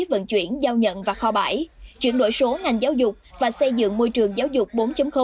vận chuyển giao nhận và kho bãi chuyển đổi số ngành giáo dục và xây dựng môi trường giáo dục bốn